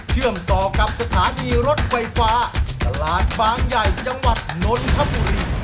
เชื่อมต่อกับสถานีรถไฟฟ้าตลาดบางใหญ่จังหวัดนนทบุรี